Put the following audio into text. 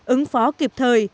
ứng phó kịp thời